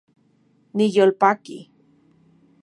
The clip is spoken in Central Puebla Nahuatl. Niyolpaki